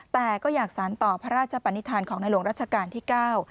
แต่ก็อยากสารต่อพระราชปนิษฐานของในหลวงรัชกาลที่เก้า